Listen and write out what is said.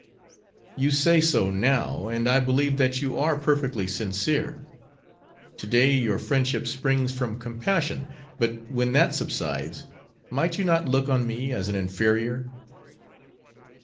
"You say so now, and I believe that you are perfectly sincere. Today your friendship springs from compassion, but, when that subsides, might you not look on me as an inferior?"